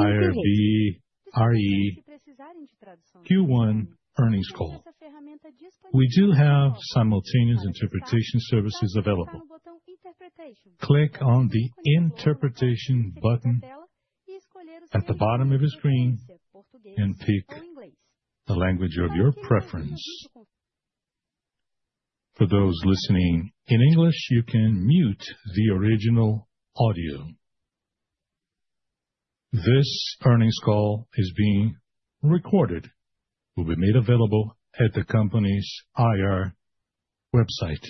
IRB-RE. If you precisarem de tradução. Q1 earnings call. We do have simultaneous interpretation services available. Click on the interpretation button at the bottom of your screen and pick the language of your preference. For those listening in English, you can mute the original audio. This earnings call is being recorded. It will be made available at the company's IR website.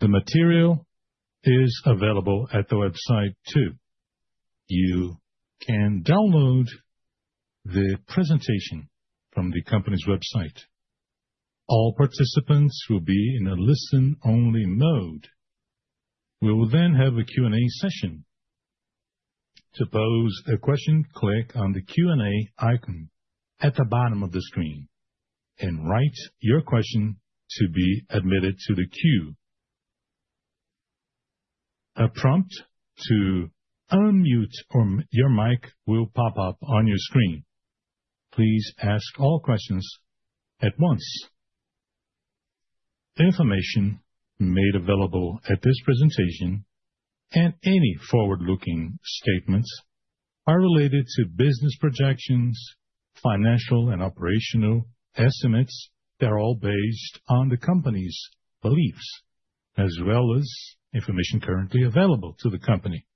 The material is available at the website too. You can download the presentation from the company's website. All participants will be in a listen-only mode. We will then have a Q&A session. To pose a question, click on the Q&A icon at the bottom of the screen and write your question to be admitted to the queue. A prompt to unmute your mic will pop up on your screen. Please ask all questions at once. Information made available at this presentation and any forward-looking statements are related to business projections, financial and operational estimates that are all based on the company's beliefs, as well as information currently available to the company.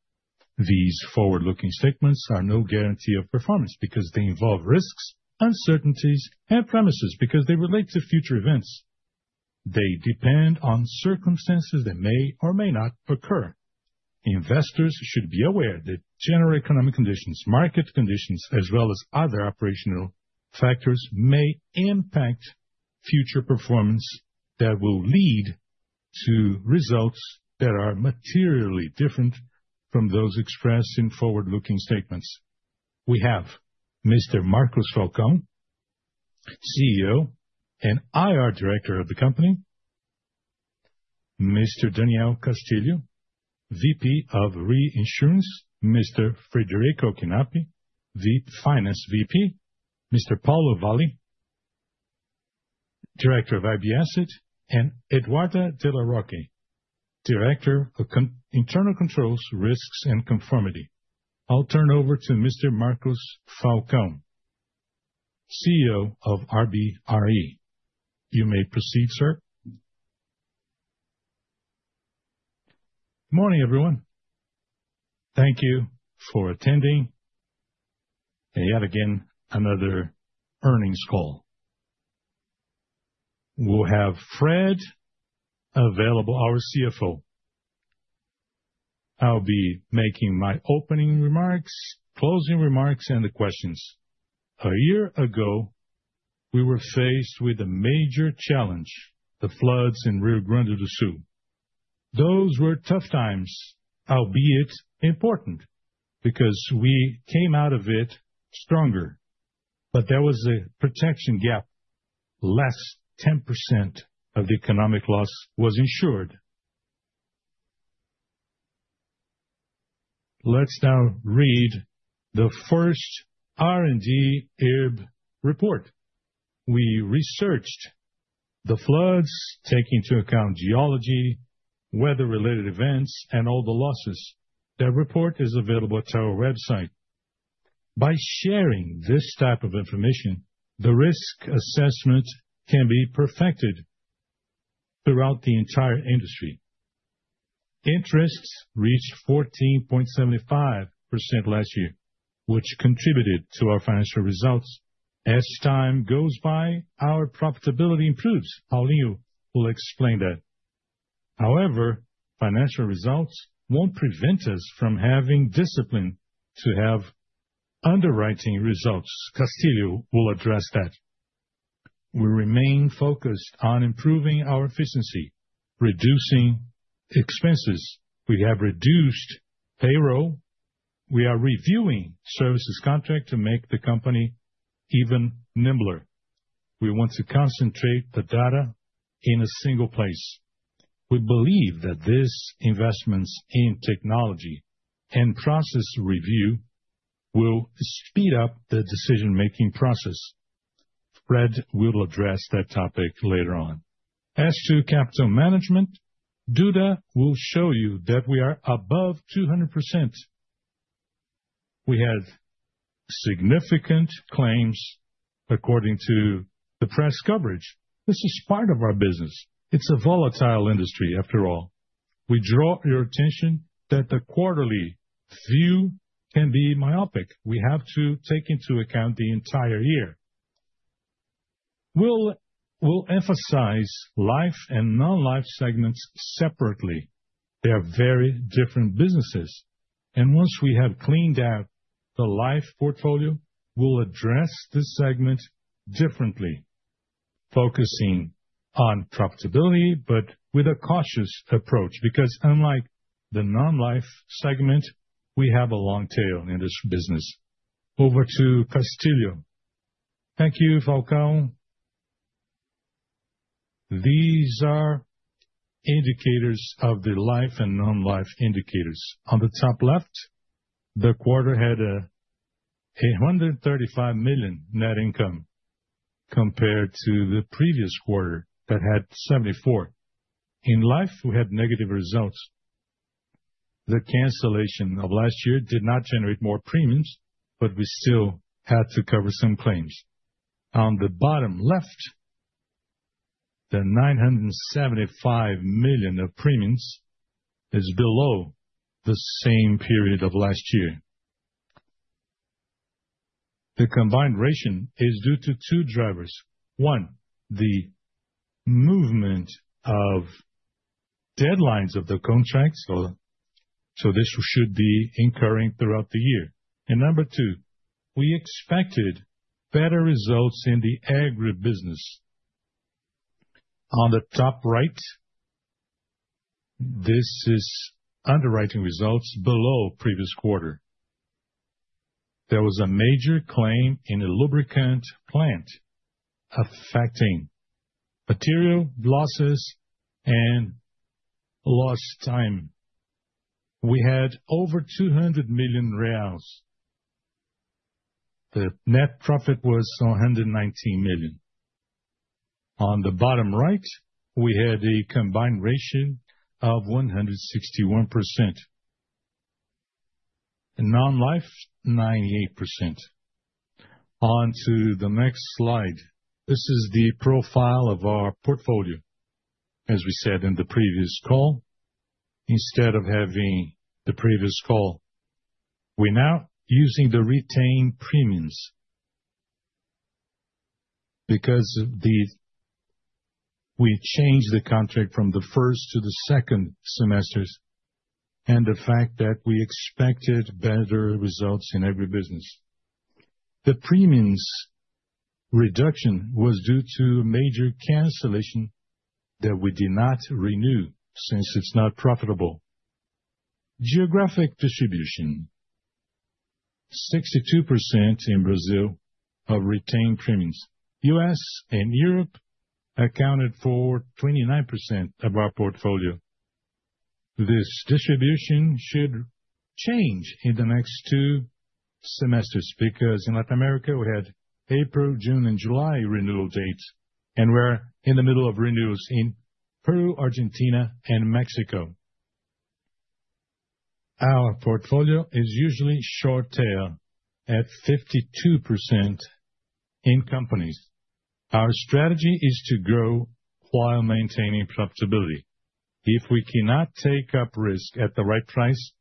These forward-looking statements are no guarantee of performance because they involve risks, uncertainties, and premises because they relate to future events. They depend on circumstances that may or may not occur. Investors should be aware that general economic conditions, market conditions, as well as other operational factors may impact future performance that will lead to results that are materially different from those expressed in forward-looking statements. We have Mr. Marcos Falcão, CEO and IR Director of the company, Mr. Daniel Castillo, VP of Reinsurance, Mr. Frederico Knapp, Finance VP, Mr. Paulo Valle, Director of IRB (Asset), and Eduarda de La Rocque, Director of Internal Controls, Risks, and Conformity. I'll turn over to Mr. Marcos Falcão, CEO of IRB (Re). You may proceed, sir. Good morning, everyone. Thank you for attending. Yet again, another earnings call. We will have Fred available, our CFO. I will be making my opening remarks, closing remarks, and the questions. A year ago, we were faced with a major challenge, the floods in Rio Grande do Sul. Those were tough times, albeit important, because we came out of it stronger. There was a protection gap. Less than 10% of the economic loss was insured. Let us now read the first R&D IRB report. We researched the floods, taking into account geology, weather-related events, and all the losses. That report is available at our website. By sharing this type of information, the risk assessment can be perfected throughout the entire industry. Interests reached BRL 14.75% last year, which contributed to our financial results. As time goes by, our profitability improves. Paulo will explain that. However, financial results will not prevent us from having discipline to have underwriting results. Castillo will address that. We remain focused on improving our efficiency, reducing expenses. We have reduced payroll. We are reviewing services contracts to make the company even nimbler. We want to concentrate the data in a single place. We believe that these investments in technology and process review will speed up the decision-making process. Fred will address that topic later on. As to capital management, Duda will show you that we are above 200%. We had significant claims according to the press coverage. This is part of our business. It is a volatile industry, after all. We draw your attention that the quarterly view can be myopic. We have to take into account the entire year. We will emphasize life and non-life segments separately. They are very different businesses. Once we have cleaned out the life portfolio, we'll address this segment differently, focusing on profitability, but with a cautious approach because, unlike the non-life segment, we have a long tail in this business. Over to Castillo. Thank you, Falcão. These are indicators of the life and non-life indicators. On the top left, the quarter had 135 million net income compared to the previous quarter that had 74 million. In life, we had negative results. The cancellation of last year did not generate more premiums, but we still had to cover some claims. On the bottom left, the 975 million of premiums is below the same period of last year. The combined ratio is due to two drivers. One, the movement of deadlines of the contracts, so this should be incurring throughout the year. Number two, we expected better results in the agribusiness. On the top right, this is underwriting results below previous quarter. There was a major claim in a lubricant plant affecting material losses and lost time. We had over 200 million reais. The net profit was 119 million. On the bottom right, we had a combined ratio of 161%. Non-life, 98%. On to the next slide. This is the profile of our portfolio. As we said in the previous call, instead of having the previous call, we're now using the retained premiums because we changed the contract from the first to the second semesters and the fact that we expected better results in agribusiness. The premiums reduction was due to a major cancellation that we did not renew since it's not profitable. Geographic distribution, 62% in Brazil of retained premiums. U.S. and Europe accounted for 29% of our portfolio. This distribution should change in the next two semesters because in Latin America, we had April, June, and July renewal dates, and we're in the middle of renewals in Peru, Argentina, and Mexico. Our portfolio is usually short tail at 52% in companies. Our strategy is to grow while maintaining profitability. If we cannot take up risk at the right price,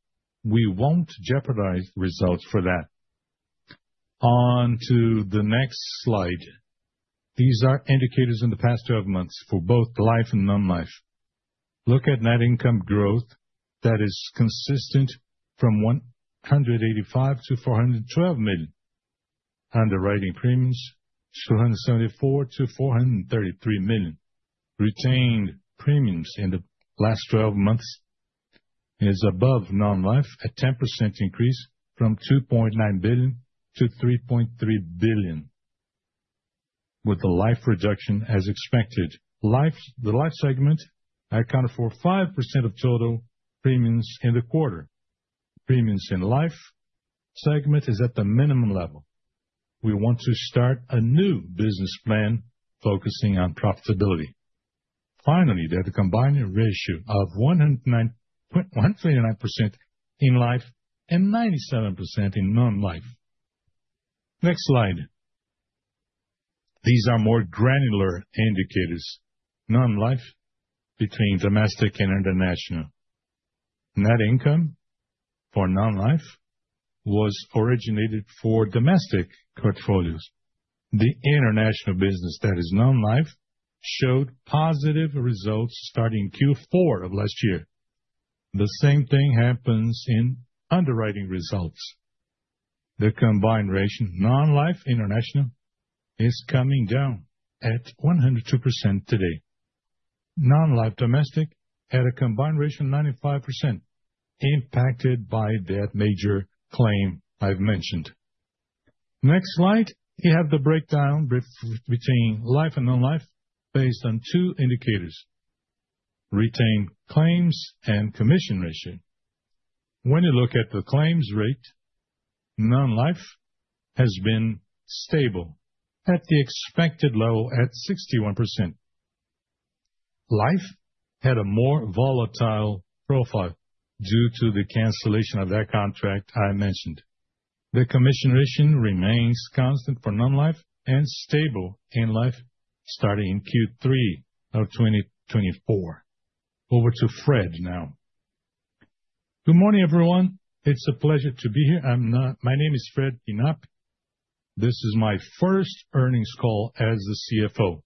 we won't jeopardize results for that. On to the next slide. These are indicators in the past 12 months for both life and non-life. Look at net income growth that is consistent from 185 million to 412 million. Underwriting premiums 274 million to 433 million. Retained premiums in the last 12 months is above non-life at 10% increase from 2.9 billion to 3.3 billion, with the life reduction as expected. The life segment accounted for 5% of total premiums in the quarter. Premiums in life segment is at the minimum level. We want to start a new business plan focusing on profitability. Finally, there's a combined ratio of 129% in life and 97% in non-life. Next slide. These are more granular indicators. Non-life between domestic and international. Net income for non-life was originated for domestic portfolios. The international business that is non-life showed positive results starting Q4 of last year. The same thing happens in underwriting results. The combined ratio non-life international is coming down at 102% today. Non-life domestic had a combined ratio of 95% impacted by that major claim I've mentioned. Next slide. You have the breakdown between life and non-life based on two indicators: retained claims and commission ratio. When you look at the claims rate, non-life has been stable at the expected level at 61%. Life had a more volatile profile due to the cancellation of that contract I mentioned. The commission ratio remains constant for non-life and stable in life starting in Q3 of 2024. Over to Fred now. Good morning, everyone. It's a pleasure to be here. My name is Fred Knapp. This is my first earnings call as the CFO.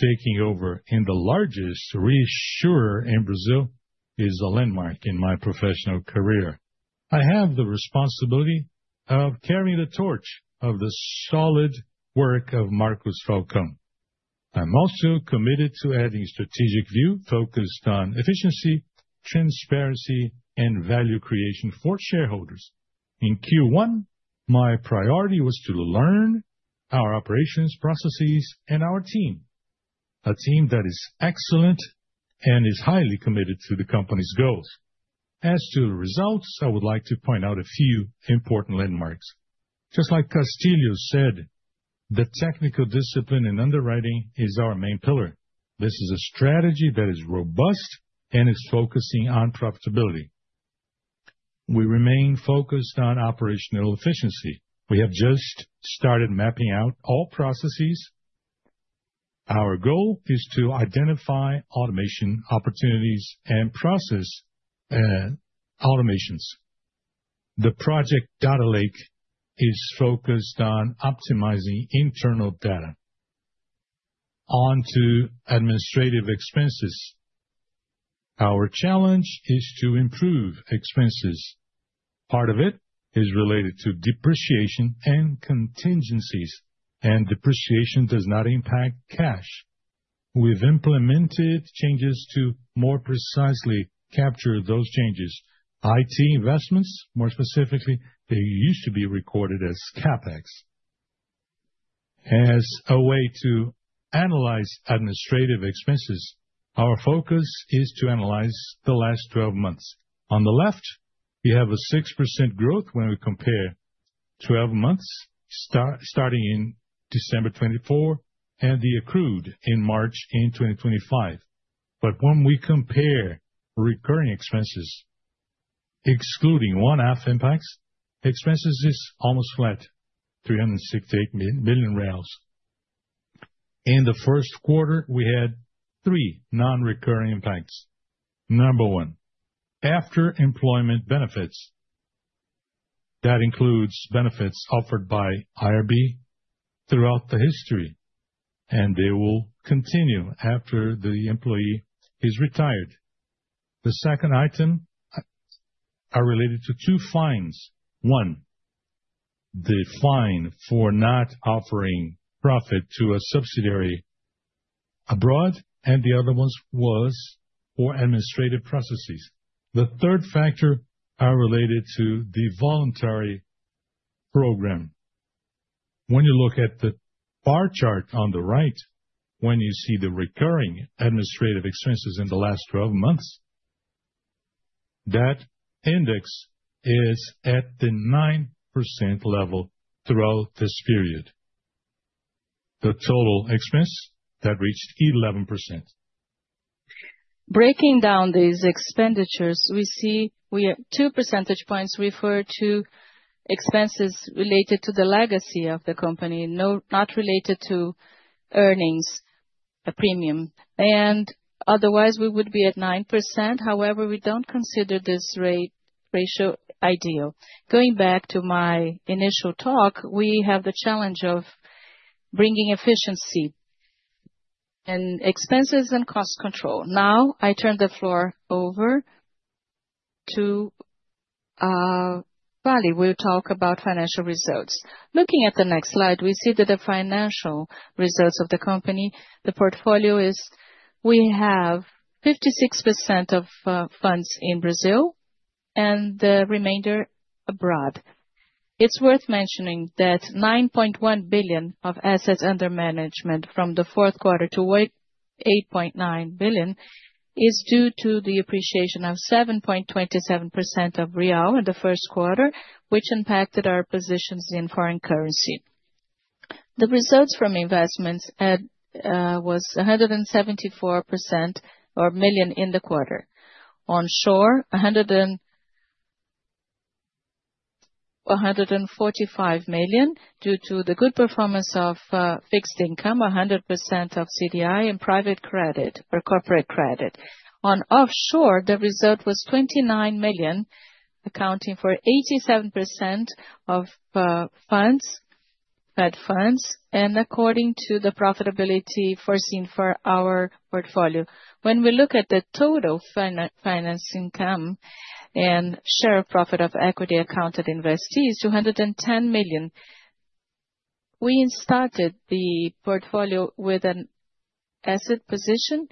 Taking over in the largest reinsurer in Brazil is a landmark in my professional career. I have the responsibility of carrying the torch of the solid work of Marcos Falcão. I'm also committed to adding a strategic view focused on efficiency, transparency, and value creation for shareholders. In Q1, my priority was to learn our operations, processes, and our team. A team that is excellent and is highly committed to the company's goals. As to the results, I would like to point out a few important landmarks. Just like Castillo said, the technical discipline and underwriting is our main pillar. This is a strategy that is robust and is focusing on profitability. We remain focused on operational efficiency. We have just started mapping out all processes. Our goal is to identify automation opportunities and process automations. The project data lake is focused on optimizing internal data. On to administrative expenses. Our challenge is to improve expenses. Part of it is related to depreciation and contingencies, and depreciation does not impact cash. We've implemented changes to more precisely capture those changes. IT investments, more specifically, they used to be recorded as CapEx. As a way to analyze administrative expenses, our focus is to analyze the last 12 months. On the left, we have a 6% growth when we compare 12 months starting in December 2024 and the accrued in March in 2025. When we compare recurring expenses, excluding one-off impacts, expenses is almost flat, 368 million. In the first quarter, we had three non-recurring impacts. Number one, after employment benefits. That includes benefits offered by IRB throughout the history, and they will continue after the employee is retired. The second item is related to two fines. One, the fine for not offering profit to a subsidiary abroad, and the other one was for administrative processes. The third factor is related to the voluntary program. When you look at the bar chart on the right, when you see the recurring administrative expenses in the last 12 months, that index is at the 9% level throughout this period. The total expense that reached 11%. Breaking down these expenditures, we see we have two percentage points referred to expenses related to the legacy of the company, not related to earnings, a premium. Otherwise, we would be at 9%. However, we do not consider this rate ratio ideal. Going back to my initial talk, we have the challenge of bringing efficiency and expenses and cost control. Now, I turn the floor over to Valle. We'll talk about financial results. Looking at the next slide, we see that the financial results of the company, the portfolio is we have 56% of funds in Brazil and the remainder abroad. It's worth mentioning that 9.1 billion of assets under management from the fourth quarter to 8.9 billion is due to the appreciation of 7.27% of the real in the first quarter, which impacted our positions in foreign currency. The results from investments was 174% or million in the quarter. Onshore, 145 million due to the good performance of fixed income, 100% of CDI and private credit or corporate credit. On offshore, the result was 29 million, accounting for 87% of funds, Fed funds, and according to the profitability foreseen for our portfolio. When we look at the total finance income and share of profit of equity accounted investees, 210 million. We started the portfolio with an asset position,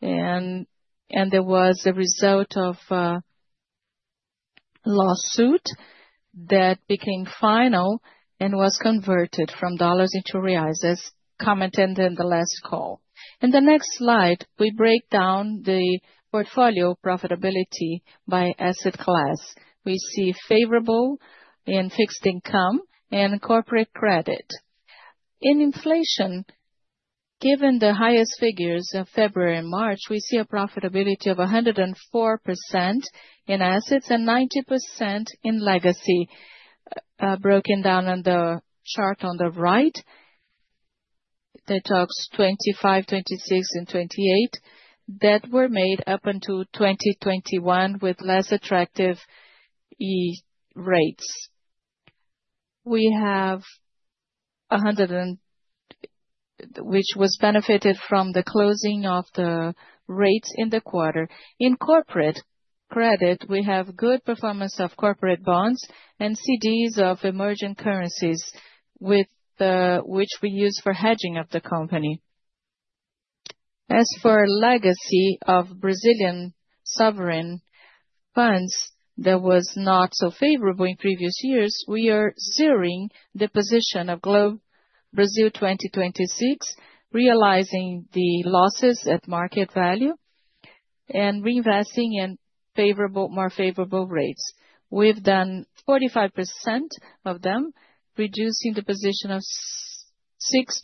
and there was a result of a lawsuit that became final and was converted from dollars into reais, as commented in the last call. In the next slide, we break down the portfolio profitability by asset class. We see favorable in fixed income and corporate credit. In inflation, given the highest figures of February and March, we see a profitability of 104% in assets and 90% in legacy, broken down on the chart on the right. The talks 25, 26, and 28 that were made up until 2021 with less attractive rates. We have 100, which was benefited from the closing of the rates in the quarter. In corporate credit, we have good performance of corporate bonds and CDs of emerging currencies, which we use for hedging of the company. As for legacy of Brazilian sovereign funds, that was not so favorable in previous years. We are zeroing the position of Globe Brazil 2026, realizing the losses at market value and reinvesting in more favorable rates. We've done 45% of them, reducing the position of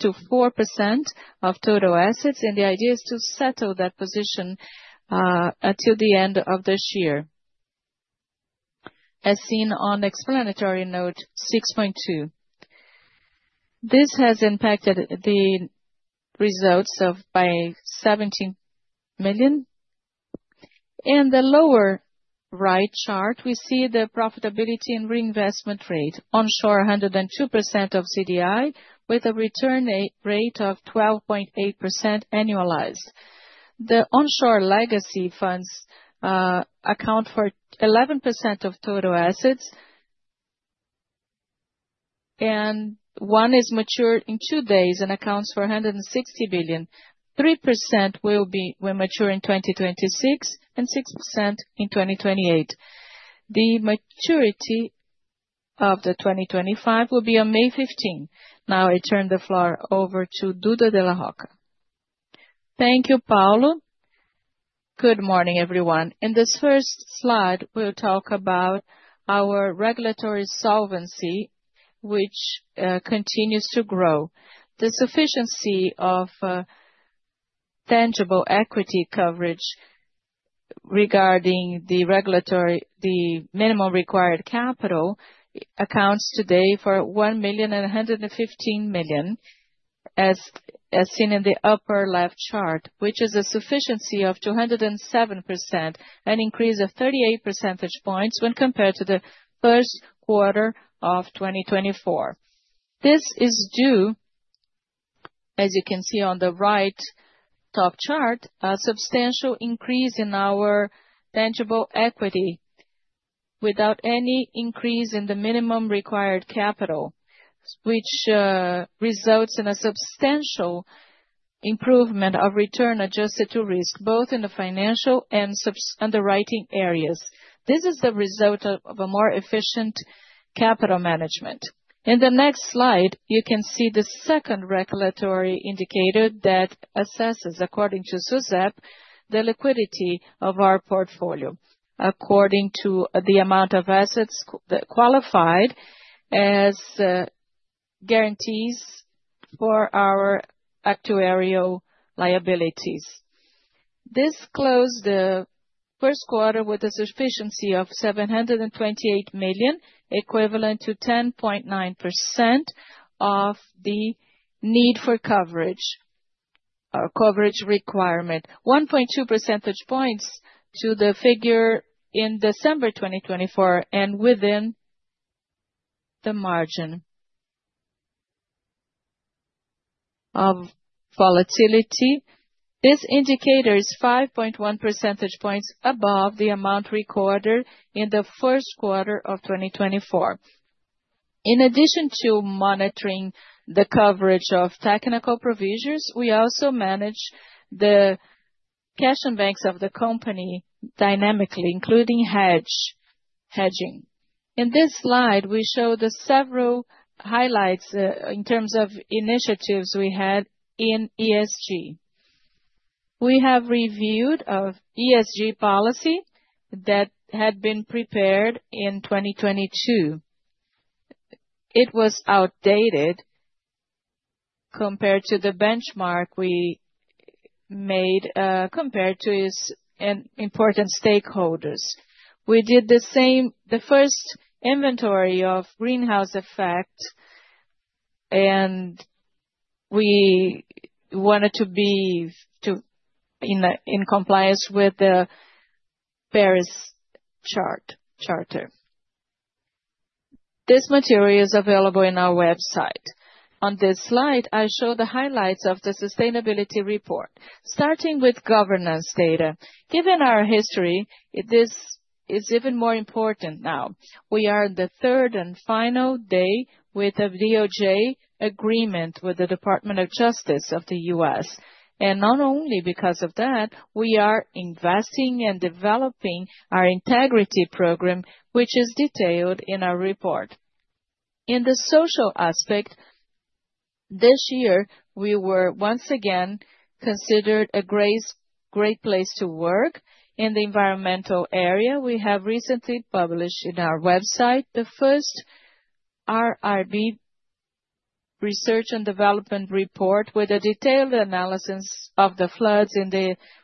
6%-4% of total assets, and the idea is to settle that position until the end of this year. As seen on explanatory note 6.2, this has impacted the results by 17 million. In the lower right chart, we see the profitability and reinvestment rate. Onshore, 102% of CDI with a return rate of 12.8% annualized. The onshore legacy funds account for 11% of total assets, and one is matured in two days and accounts for 160 billion. 3% will be mature in 2026 and 6% in 2028. The maturity of the 2025 will be on May 15. Now, I turn the floor over to Duda de La Rocque. Thank you, Paulo. Good morning, everyone. In this first slide, we'll talk about our regulatory solvency, which continues to grow. The sufficiency of tangible equity coverage regarding the regulatory, the minimum required capital, accounts today for 1,115 million, as seen in the upper left chart, which is a sufficiency of 207%, an increase of 38 percentage points when compared to the first quarter of 2024. This is due, as you can see on the right top chart, to a substantial increase in our tangible equity without any increase in the minimum required capital, which results in a substantial improvement of return adjusted to risk, both in the financial and underwriting areas. This is the result of a more efficient capital management. In the next slide, you can see the second regulatory indicator that assesses, according to SUSEP, the liquidity of our portfolio, according to the amount of assets that qualified as guarantees for our actuarial liabilities. This closed the first quarter with a sufficiency of 728 million, equivalent to 10.9% of the need for coverage or coverage requirement, 1.2 percentage points to the figure in December 2024 and within the margin of volatility. This indicator is 5.1 percentage points above the amount recorded in the first quarter of 2024. In addition to monitoring the coverage of technical procedures, we also manage the cash and banks of the company dynamically, including hedging. In this slide, we show the several highlights in terms of initiatives we had in ESG. We have reviewed ESG policy that had been prepared in 2022. It was outdated compared to the benchmark we made compared to important stakeholders. We did the same, the first inventory of greenhouse effect, and we wanted to be in compliance with the Paris charter. This material is available on our website. On this slide, I show the highlights of the sustainability report, starting with governance data. Given our history, this is even more important now. We are in the third and final day with a DOJ agreement with the Department of Justice of the U.S. Not only because of that, we are investing and developing our integrity program, which is detailed in our report. In the social aspect, this year, we were once again considered a great place to work in the environmental area. We have recently published on our website the first R&D research and development report with a detailed analysis of the floods in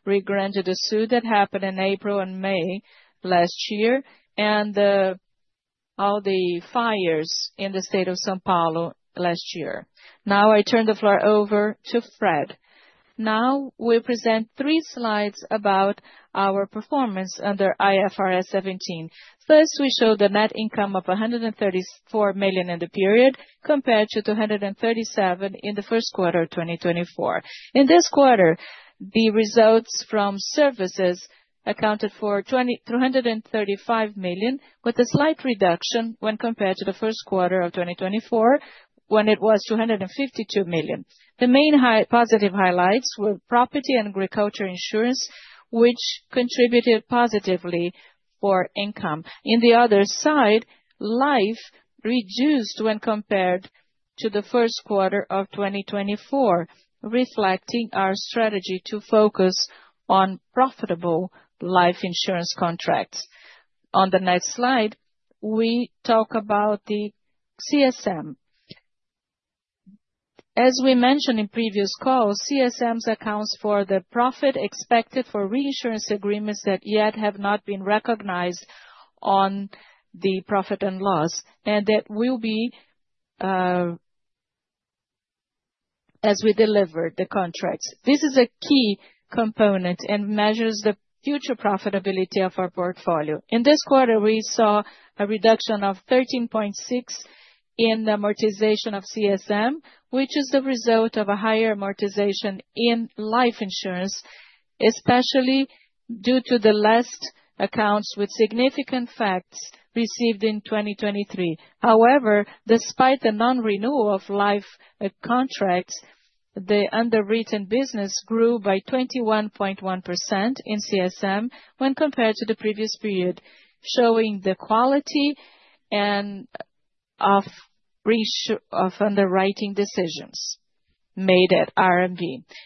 Rio Grande do Sul that happened in April and May last year and all the fires in the state of São Paulo last year. Now, I turn the floor over to Fred. Now, we present three slides about our performance under IFRS 17. First, we show the net income of 134 million in the period compared to 237 million in the first quarter of 2024. In this quarter, the results from services accounted for 235 million, with a slight reduction when compared to the first quarter of 2024, when it was 252 million. The main positive highlights were property and agriculture insurance, which contributed positively for income. In the other side, life reduced when compared to the first quarter of 2024, reflecting our strategy to focus on profitable life insurance contracts. On the next slide, we talk about the CSM. As we mentioned in previous calls, CSMs account for the profit expected for reinsurance agreements that yet have not been recognized on the profit and loss and that will be as we deliver the contracts. This is a key component and measures the future profitability of our portfolio. In this quarter, we saw a reduction of 13.6% in the amortization of CSM, which is the result of a higher amortization in life insurance, especially due to the last accounts with significant facts received in 2023. However, despite the non-renewal of life contracts, the underwritten business grew by 21.1% in CSM when compared to the previous period, showing the quality of underwriting decisions made at IRB.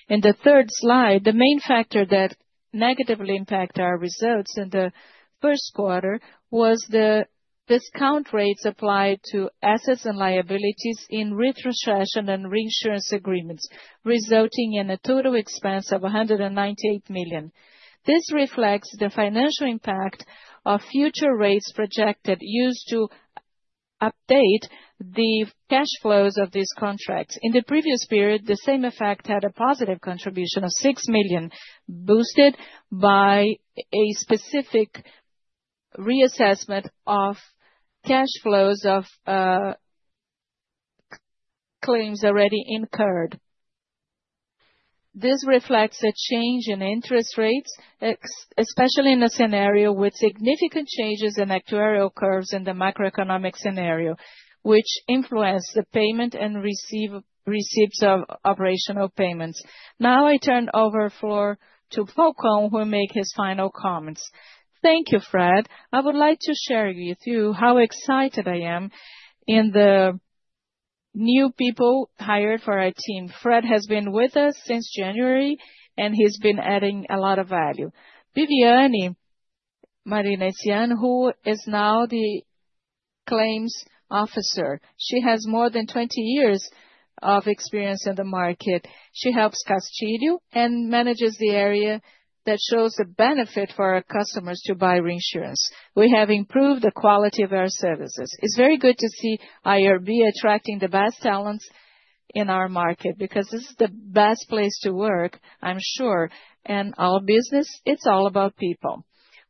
In the third slide, the main factor that negatively impacted our results in the first quarter was the discount rates applied to assets and liabilities in retrocession and reinsurance agreements, resulting in a total expense of 198 million. This reflects the financial impact of future rates projected used to update the cash flows of these contracts. In the previous period, the same effect had a positive contribution of 6 million, boosted by a specific reassessment of cash flows of claims already incurred. This reflects a change in interest rates, especially in a scenario with significant changes in actuarial curves in the macroeconomic scenario, which influenced the payment and receipts of operational payments. Now, I turn over to Falcão, who will make his final comments. Thank you, Fred. I would like to share with you how excited I am in the new people hired for our team. Fred has been with us since January, and he's been adding a lot of value. Viviane Mardirossian, who is now the Claims Officer, she has more than 20 years of experience in the market. She helps Castillo and manages the area that shows the benefit for our customers to buy reinsurance. We have improved the quality of our services. It is very good to see IRB attracting the best talents in our market because this is the best place to work, I'm sure. Our business, it's all about people.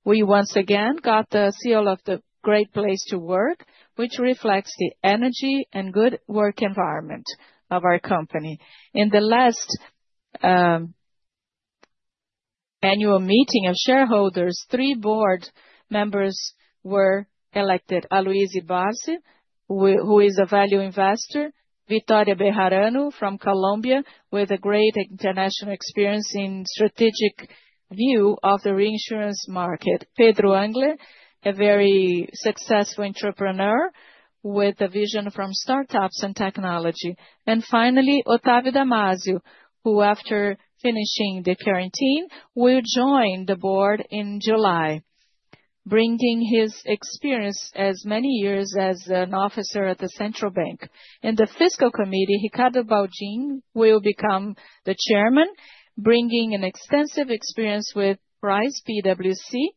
We once again got the seal of the great place to work, which reflects the energy and good work environment of our company. In the last annual meeting of shareholders, three board members were elected: Louise Barsi, who is a value investor; Victoria Bejarano from Colombia, with a great international experience in strategic view of the reinsurance market; Pedro Englert, a very successful entrepreneur with a vision from startups and technology; and finally, Otavio Damaso, who, after finishing the quarantine, will join the board in July, bringing his experience as many years as an officer at the central bank. In the fiscal committee, Ricardo Baldin will become the chairman, bringing an extensive experience with Price PwC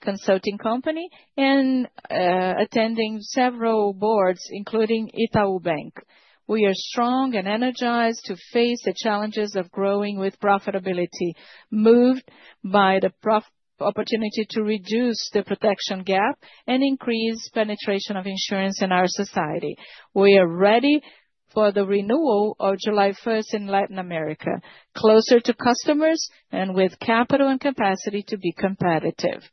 Consulting Company and attending several boards, including Itaú Bank. We are strong and energized to face the challenges of growing with profitability, moved by the opportunity to reduce the protection gap and increase penetration of insurance in our society. We are ready for the renewal of July 1st in Latin America, closer to customers and with capital and capacity to be competitive.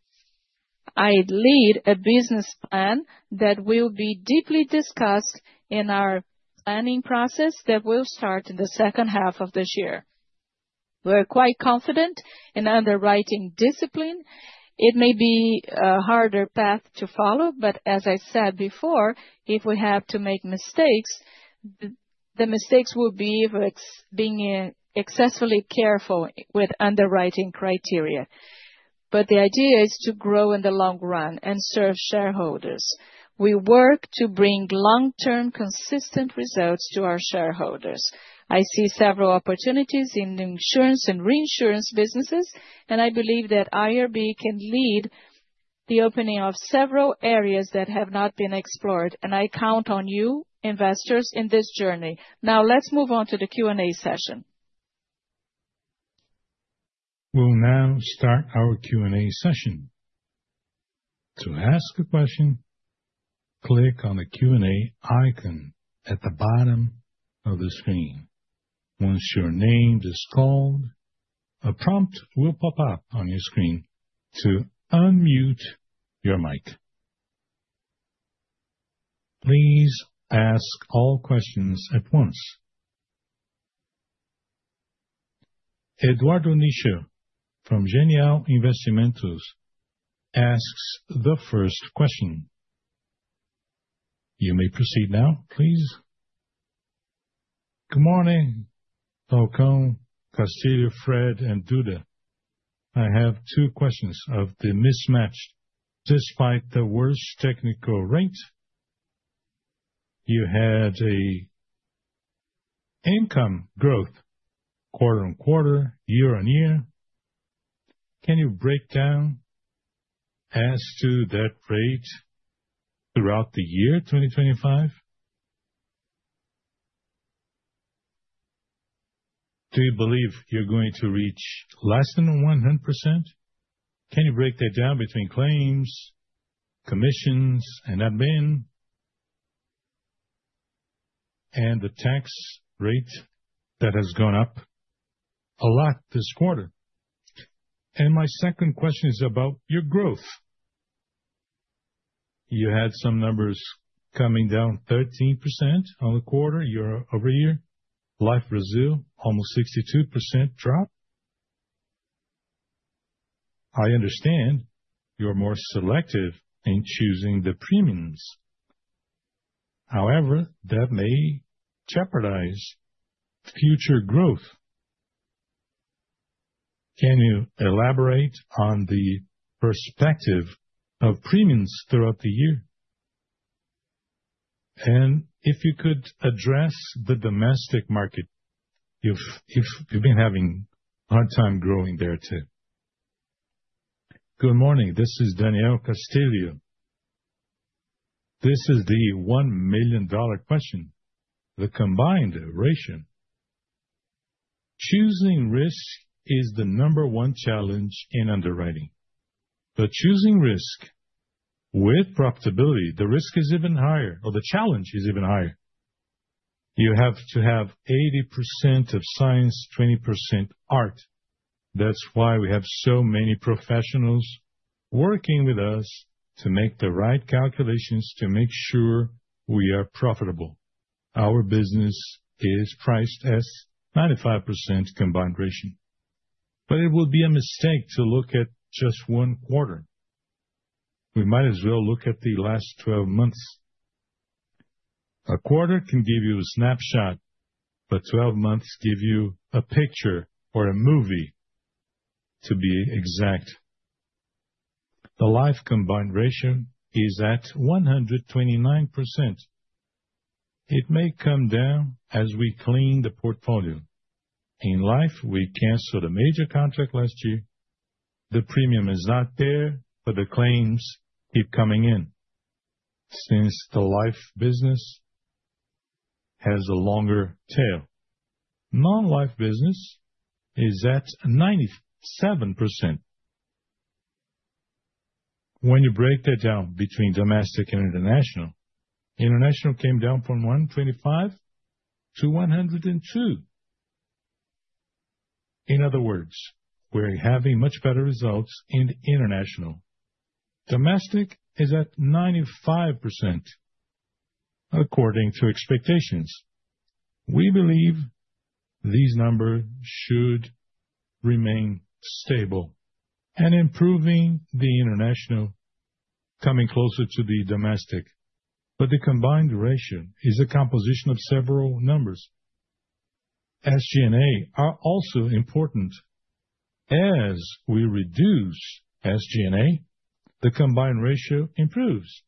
I lead a business plan that will be deeply discussed in our planning process that will start in the second half of this year. We're quite confident in underwriting discipline. It may be a harder path to follow, but as I said before, if we have to make mistakes, the mistakes will be of being excessively careful with underwriting criteria. The idea is to grow in the long run and serve shareholders. We work to bring long-term consistent results to our shareholders. I see several opportunities in insurance and reinsurance businesses, and I believe that IRB can lead the opening of several areas that have not been explored, and I count on you, investors, in this journey. Now, let's move on to the Q&A session. We'll now start our Q&A session. To ask a question, click on the Q&A icon at the bottom of the screen. Once your name is called, a prompt will pop up on your screen to unmute your mic. Please ask all questions at once. Eduardo Nishio from Genial Investimentos asks the first question. You may proceed now, please. Good morning, Falcão, Castillo, Fred, and Duda. I have two questions of the mismatch. Despite the worst technical rate, you had an income growth quarter-on-quarter, year-on-year. Can you break down as to that rate throughout the year 2025? Do you believe you're going to reach less than 100%? Can you break that down between claims, commissions, and admin, and the tax rate that has gone up a lot this quarter? My second question is about your growth. You had some numbers coming down 13% on the quarter year-over-year. Life Brazil, almost 62% drop. I understand you're more selective in choosing the premiums. However, that may jeopardize future growth. Can you elaborate on the perspective of premiums throughout the year? If you could address the domestic market, you've been having a hard time growing there too. Good morning, this is Daniel Castillo. This is the $1 million question, the combined ratio. Choosing risk is the number one challenge in underwriting. Choosing risk with profitability, the risk is even higher, or the challenge is even higher. You have to have 80% of science, 20% art. That's why we have so many professionals working with us to make the right calculations to make sure we are profitable. Our business is priced as 95% combined ratio. It would be a mistake to look at just one quarter. We might as well look at the last 12 months. A quarter can give you a snapshot, but 12 months give you a picture or a movie to be exact. The life combined ratio is at 129%. It may come down as we clean the portfolio. In life, we canceled a major contract last year. The premium is not there, but the claims keep coming in since the life business has a longer tail. Non-life business is at 97%. When you break that down between domestic and international, international came down from 125% to 102%. In other words, we are having much better results in international. Domestic is at 95%, according to expectations. We believe these numbers should remain stable and improving the international, coming closer to the domestic. The combined ratio is a composition of several numbers. SG&A are also important. As we reduce SG&A, the combined ratio improves.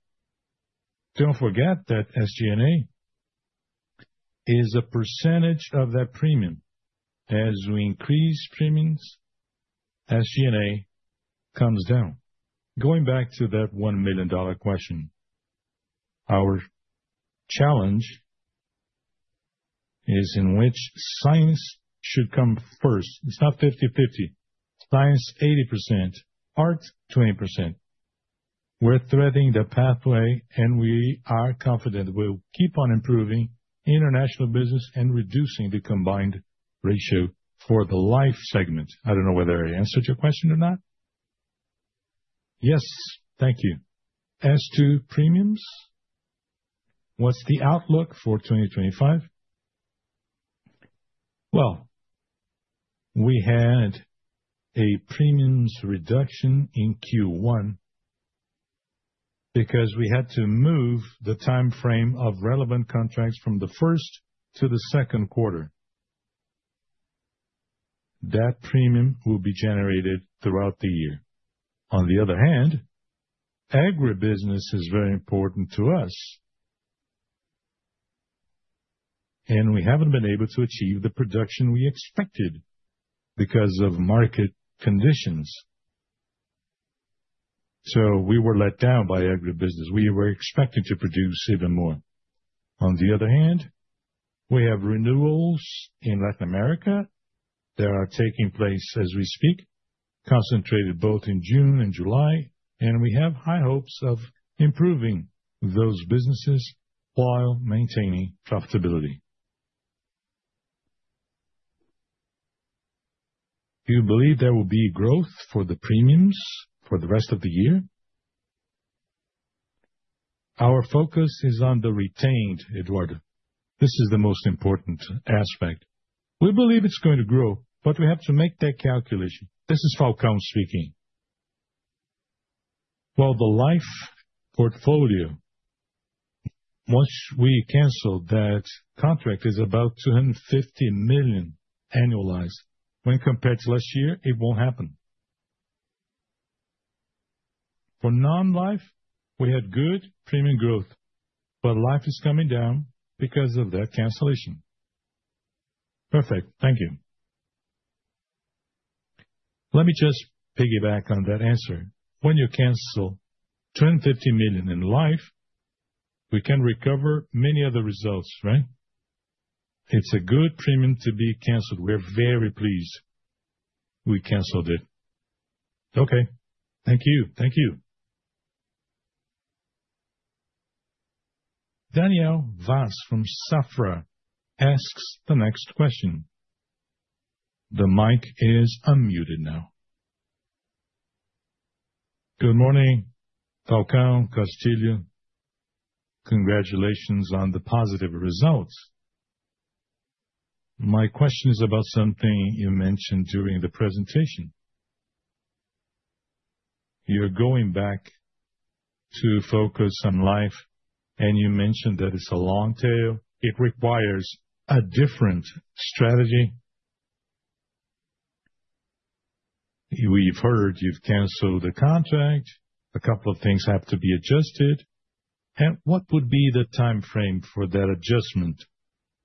Do not forget that SG&A is a percentage of that premium. As we increase premiums, SG&A comes down. Going back to that $1 million question, our challenge is in which science should come first. It is not 50/50. Science 80%, art 20%. We are threading the pathway, and we are confident we will keep on improving international business and reducing the combined ratio for the life segment. I do not know whether I answered your question or not. Yes, thank you. As to premiums, what is the outlook for 2025? We had a premiums reduction in Q1 because we had to move the timeframe of relevant contracts from the first to the second quarter. That premium will be generated throughout the year. On the other hand, agribusiness is very important to us, and we have not been able to achieve the production we expected because of market conditions. So we were let down by agribusiness. We were expecting to produce even more. On the other hand, we have renewals in Latin America that are taking place as we speak, concentrated both in June and July, and we have high hopes of improving those businesses while maintaining profitability. Do you believe there will be growth for the premiums for the rest of the year? Our focus is on the retained, Eduardo. This is the most important aspect. We believe it is going to grow, but we have to make that calculation. This is Falcão speaking. The life portfolio, once we cancel that contract, is about 250 million annualized. When compared to last year, it will not happen. For non-life, we had good premium growth, but life is coming down because of that cancellation. Perfect, thank you. Let me just piggyback on that answer. When you cancel 250 million in life, we can recover many other results, right? It's a good premium to be canceled. We're very pleased. We canceled it. Okay, thank you, thank you. Daniel Vaz from Safra asks the next question. The mic is unmuted now. Good morning, Falcão, Castillo. Congratulations on the positive results. My question is about something you mentioned during the presentation. You're going back to focus on life, and you mentioned that it's a long tail. It requires a different strategy. We've heard you've canceled the contract. A couple of things have to be adjusted. What would be the timeframe for that adjustment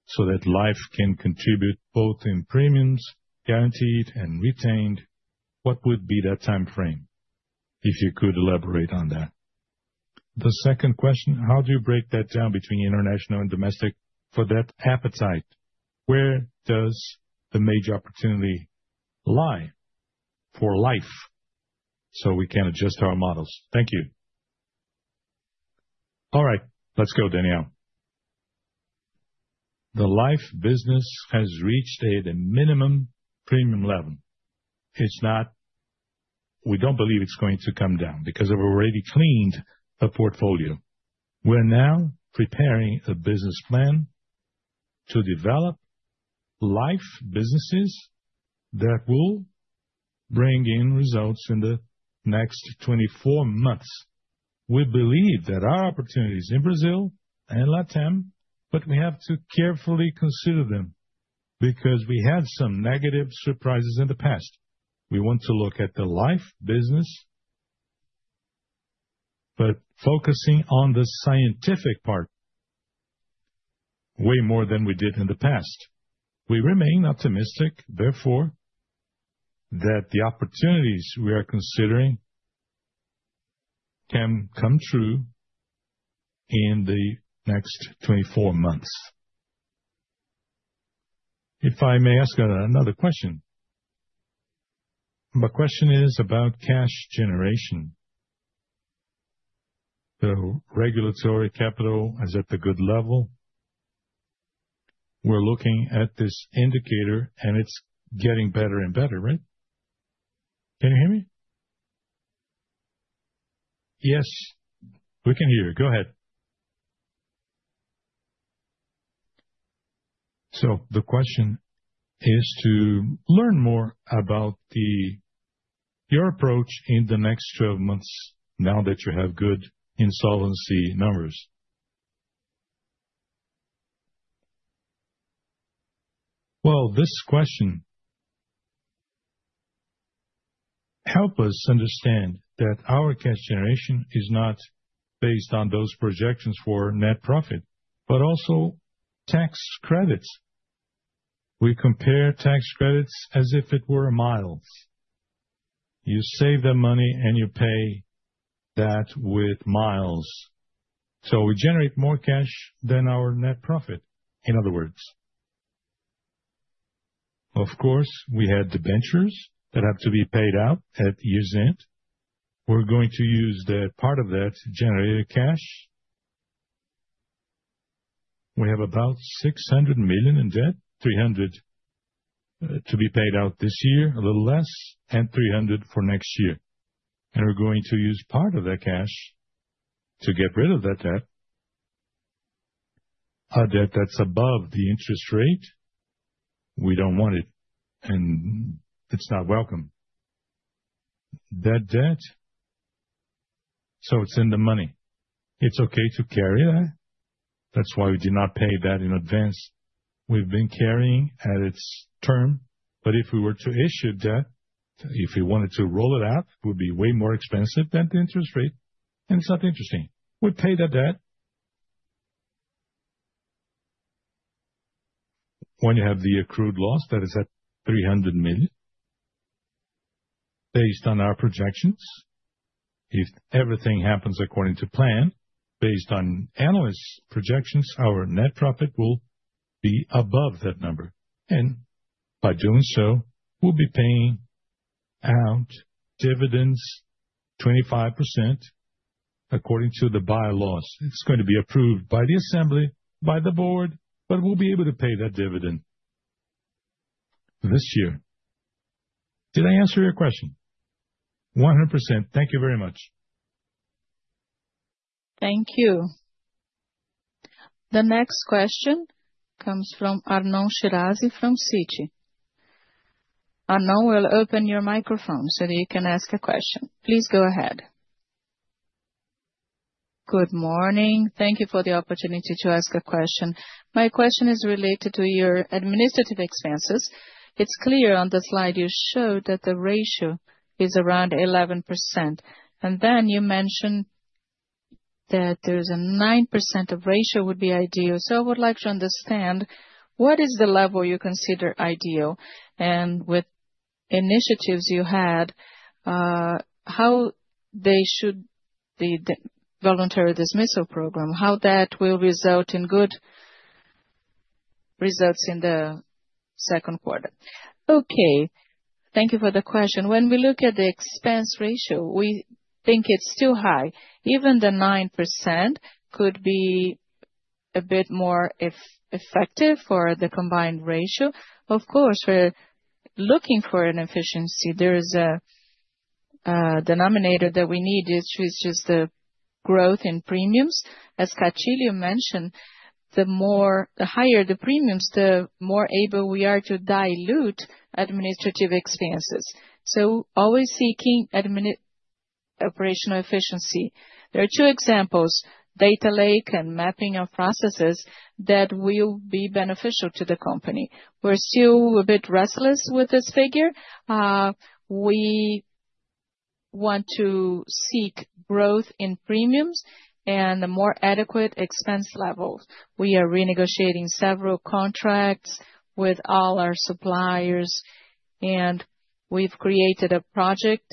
so that life can contribute both in premiums, guaranteed, and retained? What would be that timeframe? If you could elaborate on that. The second question, how do you break that down between international and domestic for that appetite? Where does the major opportunity lie for life so we can adjust our models? Thank you. All right, let's go, Daniel. The life business has reached a minimum premium level. It's not, we don't believe it's going to come down because we've already cleaned the portfolio. We're now preparing a business plan to develop life businesses that will bring in results in the next 24 months. We believe that our opportunities in Brazil and Latam, but we have to carefully consider them because we had some negative surprises in the past. We want to look at the life business, but focusing on the scientific part way more than we did in the past. We remain optimistic, therefore, that the opportunities we are considering can come true in the next 24 months. If I may ask another question, my question is about cash generation. The regulatory capital, is that at a good level? We're looking at this indicator, and it's getting better and better, right? Can you hear me? Yes, we can hear you. Go ahead. The question is to learn more about your approach in the next 12 months now that you have good insolvency numbers. This question helps us understand that our cash generation is not based on those projections for net profit, but also tax credits. We compare tax credits as if it were miles. You save the money, and you pay that with miles. We generate more cash than our net profit, in other words. Of course, we had the ventures that have to be paid out at year's end. We're going to use that part of that to generate cash. We have about 600 million in debt, 300 million to be paid out this year, a little less, and 300 million for next year. We're going to use part of that cash to get rid of that debt, a debt that's above the interest rate. We don't want it, and it's not welcome. That debt, so it's in the money. It's okay to carry that. That's why we did not pay that in advance. We've been carrying at its term, but if we were to issue debt, if we wanted to roll it out, it would be way more expensive than the interest rate, and it's not interesting. We pay that debt. When you have the accrued loss that is at 300 million, based on our projections, if everything happens according to plan, based on analysts' projections, our net profit will be above that number. By doing so, we'll be paying out dividends 25% according to the bylaws. It is going to be approved by the assembly, by the board, but we'll be able to pay that dividend this year. Did I answer your question? 100%. Thank you very much. Thank you. The next question comes from Arnon Shirazi from Citi. Arnon, we'll open your microphone so that you can ask a question. Please go ahead. Good morning. Thank you for the opportunity to ask a question. My question is related to your administrative expenses. It is clear on the slide you showed that the ratio is around 11%. You mentioned that a 9% ratio would be ideal. I would like to understand what is the level you consider ideal? With initiatives you had, how they should be, the voluntary dismissal program, how that will result in good results in the second quarter. Okay, thank you for the question. When we look at the expense ratio, we think it's still high. Even the 9% could be a bit more effective for the combined ratio. Of course, we're looking for an efficiency. There is a denominator that we need, which is just the growth in premiums. As Castillo mentioned, the higher the premiums, the more able we are to dilute administrative expenses. Always seeking operational efficiency. There are two examples, data lake and mapping of processes, that will be beneficial to the company. We're still a bit restless with this figure. We want to seek growth in premiums and a more adequate expense level. We are renegotiating several contracts with all our suppliers, and we've created a project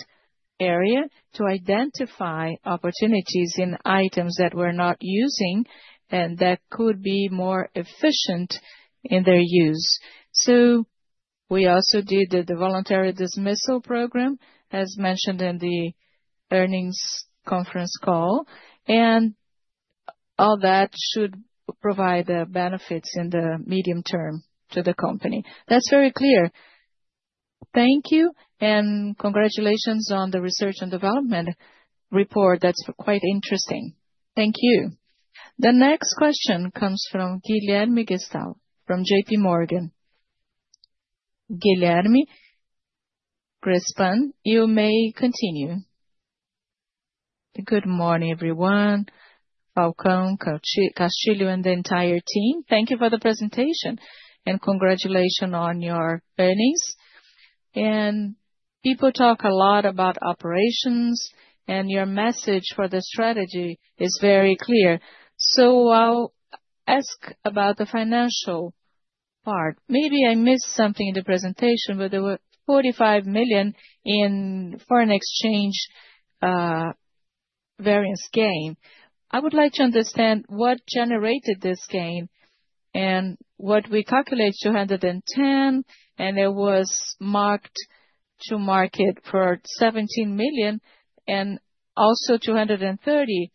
area to identify opportunities in items that we're not using and that could be more efficient in their use. We also did the voluntary dismissal program, as mentioned in the earnings conference call, and all that should provide the benefits in the medium term to the company. That's very clear. Thank you, and congratulations on the research and development report. That's quite interesting. Thank you. The next question comes from Guilherme Grespan from JPMorgan. Guilherme Grespan, you may continue. Good morning, everyone. Falcão, Castillo, and the entire team, thank you for the presentation, and congratulations on your earnings. People talk a lot about operations, and your message for the strategy is very clear. I will ask about the financial part. Maybe I missed something in the presentation, but there were 45 million in foreign exchange variance gain. I would like to understand what generated this gain and what we calculated, 210 million, and it was marked to market for 17 million and also 230 million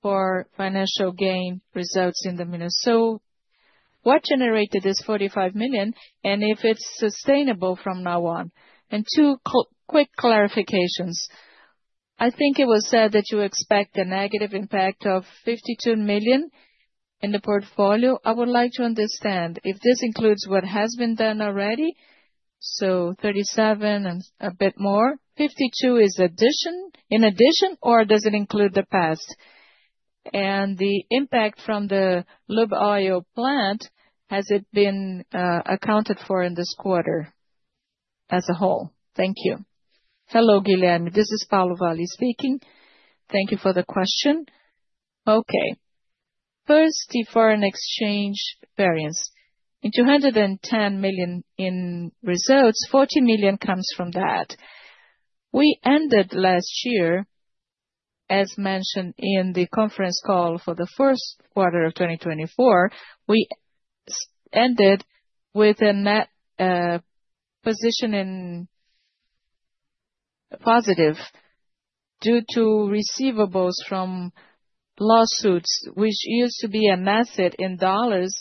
for financial gain results in the Minnesota. What generated this 45 million and if it's sustainable from now on? Two quick clarifications. I think it was said that you expect a negative impact of 52 million in the portfolio. I would like to understand if this includes what has been done already. So 37 million and a bit more. 52 million is in addition, or does it include the past? The impact from the lube oil plant, has it been accounted for in this quarter as a whole? Thank you. Hello, Guilherme. This is Paulo Valle speaking. Thank you for the question. Okay. First, the foreign exchange variance. In 210 million in results, 40 million comes from that. We ended last year, as mentioned in the conference call for the first quarter of 2024, we ended with a net position in positive due to receivables from lawsuits, which used to be an asset in dollars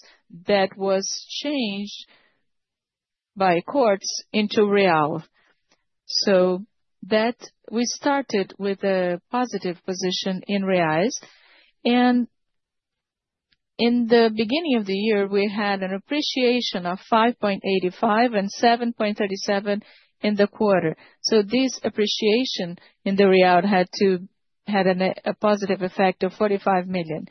that was changed by courts into real. So that we started with a positive position in realized. In the beginning of the year, we had an appreciation of 5.85 and 7.37 in the quarter. This appreciation in the real had a positive effect of 45 million.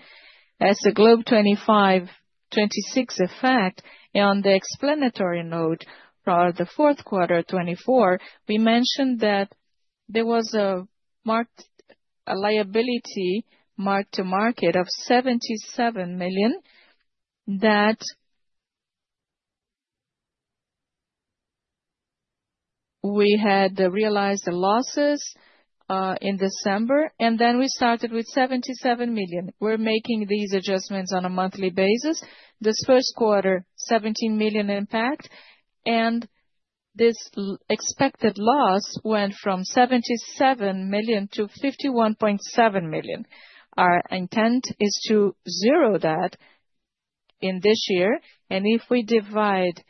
As the Globe 2526 effect on the explanatory note for the fourth quarter of 2024, we mentioned that there was a liability marked to market of 77 million that we had realized the losses in December, and then we started with 77 million. We're making these adjustments on a monthly basis. This first quarter, 17 million impact, and this expected loss went from 77 million to 51.7 million. Our intent is to zero that in this year, and if we divide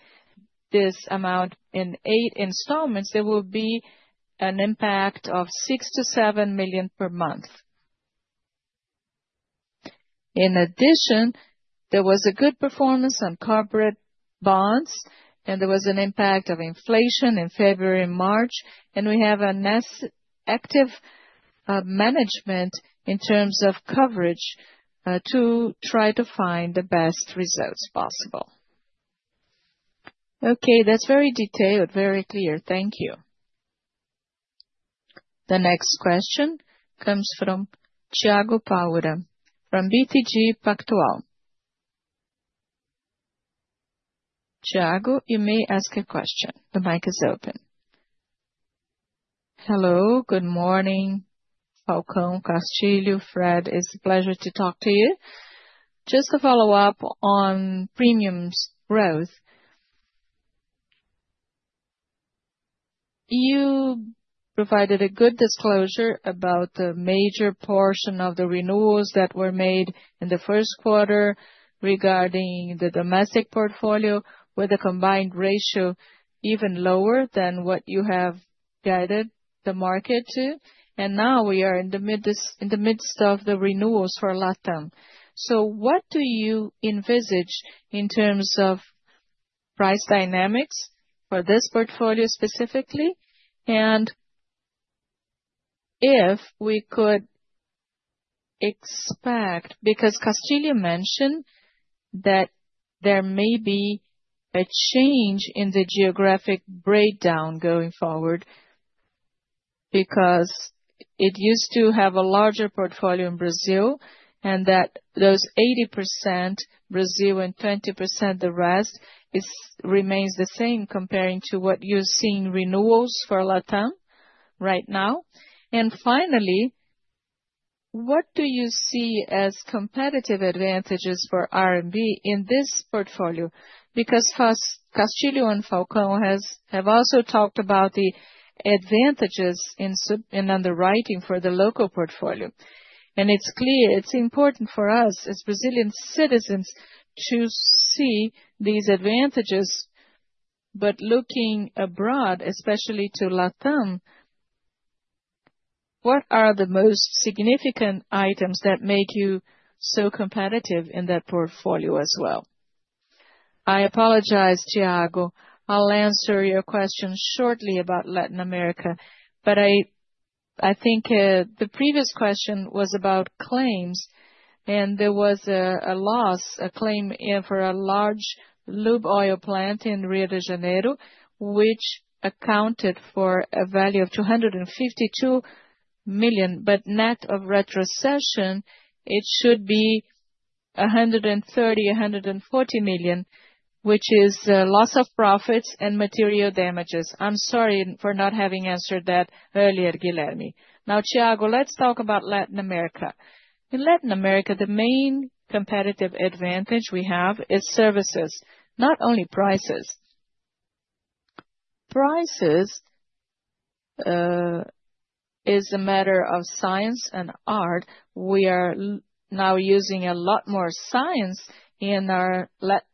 this amount in eight installments, there will be an impact of 6-7 million per month. In addition, there was a good performance on corporate bonds, and there was an impact of inflation in February and March, and we have an active management in terms of coverage to try to find the best results possible. Okay, that's very detailed, very clear. Thank you. The next question comes from Thiago Paura from BTG Pactual. Tiago, you may ask a question. The mic is open. Hello, good morning. Falcão, Castillo, Fred, it's a pleasure to talk to you. Just to follow up on premiums growth, you provided a good disclosure about the major portion of the renewals that were made in the first quarter regarding the domestic portfolio, with a combined ratio even lower than what you have guided the market to. Now we are in the midst of the renewals for Latam. What do you envisage in terms of price dynamics for this portfolio specifically? If we could expect, because Castillo mentioned that there may be a change in the geographic breakdown going forward, because it used to have a larger portfolio in Brazil, and that those 80% Brazil and 20% the rest remains the same comparing to what you are seeing renewals for Latam right now. Finally, what do you see as competitive advantages for IRB in this portfolio? Because Castillo and Falcão have also talked about the advantages in underwriting for the local portfolio. It is clear it is important for us as Brazilian citizens to see these advantages, but looking abroad, especially to Latam, what are the most significant items that make you so competitive in that portfolio as well? I apologize, Thiago. I will answer your question shortly about Latin America, but I think the previous question was about claims, and there was a loss, a claim for a large lube oil plant in Rio de Janeiro, which accounted for a value of 252 million, but net of retrocession, it should be 130 million-140 million, which is loss of profits and material damages. I am sorry for not having answered that earlier, Guilherme. Now, Thiago, let us talk about Latin America. In Latin America, the main competitive advantage we have is services, not only prices. Prices is a matter of science and art. We are now using a lot more science in our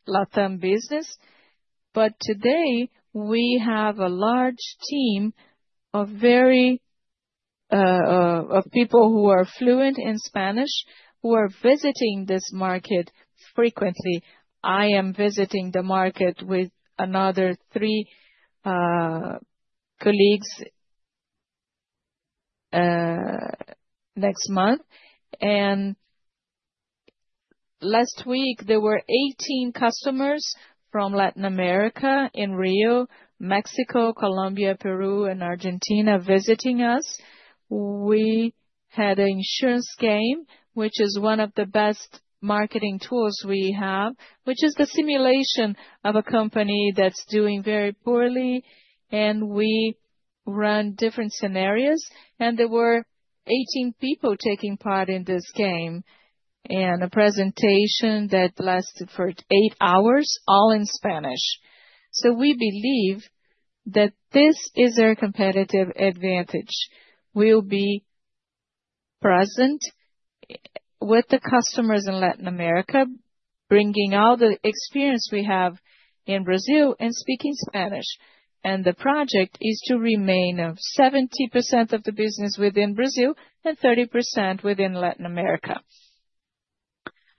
Latam business, but today we have a large team of people who are fluent in Spanish, who are visiting this market frequently. I am visiting the market with another three colleagues next month. Last week, there were 18 customers from Latin America in Rio, Mexico, Colombia, Peru, and Argentina visiting us. We had an insurance game, which is one of the best marketing tools we have, which is the simulation of a company that is doing very poorly, and we run different scenarios. There were 18 people taking part in this game and a presentation that lasted for eight hours, all in Spanish. We believe that this is our competitive advantage. We'll be present with the customers in Latin America, bringing all the experience we have in Brazil and speaking Spanish. The project is to remain at 70% of the business within Brazil and 30% within Latin America.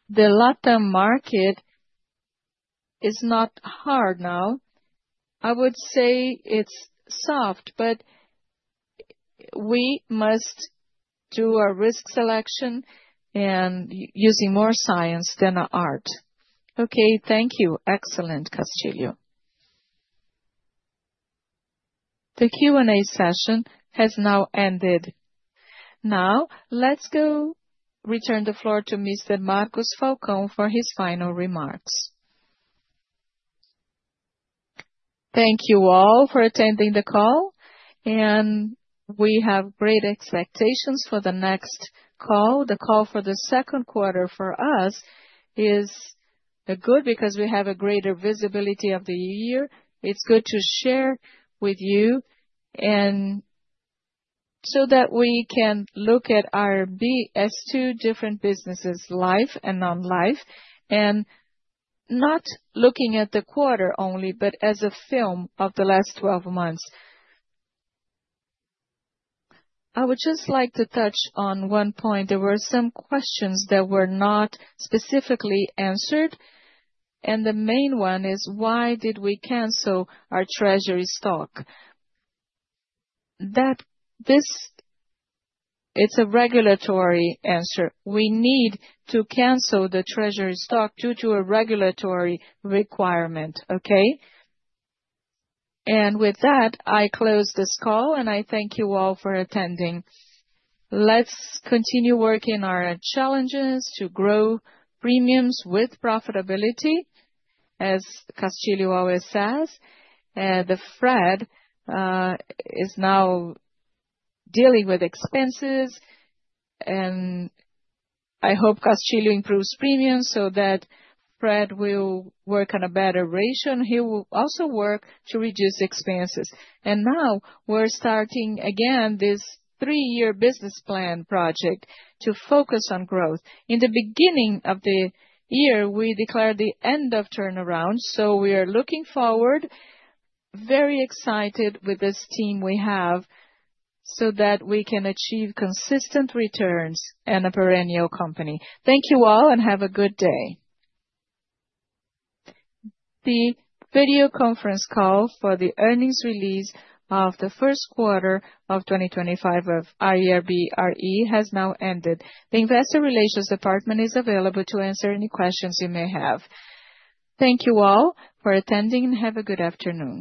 The Latam market is not hard now. I would say it's soft, but we must do our risk selection and use more science than art. Okay, thank you. Excellent, Castillo. The Q&A session has now ended. Now, let's return the floor to Mr. Marcos Falcão for his final remarks. Thank you all for attending the call, and we have great expectations for the next call. The call for the second quarter for us is good because we have a greater visibility of the year. It's good to share with you so that we can look at our two different businesses, life and non-life, and not looking at the quarter only, but as a film of the last 12 months. I would just like to touch on one point. There were some questions that were not specifically answered, and the main one is, why did we cancel our treasury stock? It's a regulatory answer. We need to cancel the treasury stock due to a regulatory requirement, okay? With that, I close this call, and I thank you all for attending. Let's continue working on our challenges to grow premiums with profitability, as Castillo always says. Fred is now dealing with expenses, and I hope Castillo improves premiums so that Fred will work on a better ratio. He will also work to reduce expenses. We are starting again this three-year business plan project to focus on growth. In the beginning of the year, we declared the end of turnaround, so we are looking forward, very excited with this team we have so that we can achieve consistent returns and a perennial company. Thank you all and have a good day. The video conference call for the earnings release of the first quarter of 2025 of IRB(Re) has now ended. The investor relations department is available to answer any questions you may have. Thank you all for attending and have a good afternoon.